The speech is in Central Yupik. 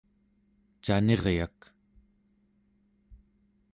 caniryak